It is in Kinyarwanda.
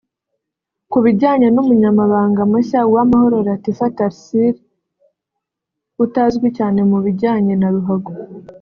Ku bijyanye n’Umunyamabanga mushya Uwamahoro Latifah Tharcille utazwi cyane mu bijyanye na ruhago